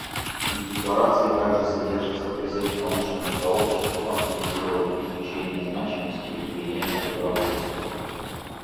В декларации также содержится призыв к научному сообществу активизировать изучение значимости и влияния добровольчества.